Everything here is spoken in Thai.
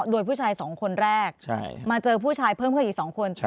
โดยผู้ชาย๒คนแรกมาเจอผู้ชายเพิ่มขึ้นอีก๒คน